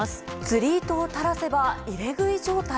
釣り糸をたらせば入れ食い状態。